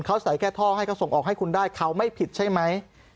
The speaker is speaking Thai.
เขาใส่แค่ท่อให้เขาส่งออกให้คุณได้เขาไม่ผิดใช่ไหม